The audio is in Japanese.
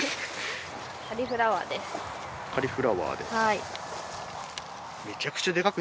カリフラワーですか。